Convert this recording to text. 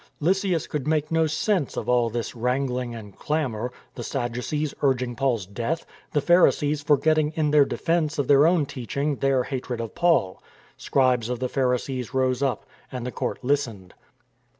Lysias could make no sense of all this wrangling and clamour; — the Sadducees urging Paul's death, the Pharisees forget ting in their defence of their own teaching their hatred of Paul, Scribes of the Pharisees rose up, and the court listened.